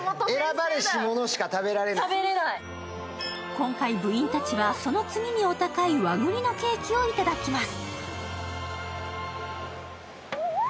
今回部員たちはその次にお高い和栗の慶希をいただきます。